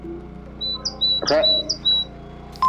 Reh.